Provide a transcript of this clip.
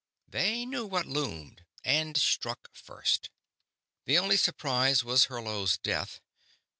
They knew what loomed, and struck first. The only surprise was Hurlo's death ...